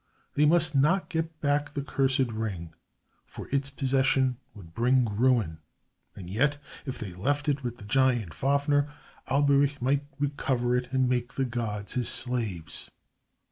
They must not get back the cursed ring, for its possession would bring ruin. And yet if they left it with the giant Fafner, Alberich might recover it and make the gods his slaves.